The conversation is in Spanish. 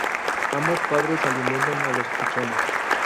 Ambos padres alimentan a los pichones.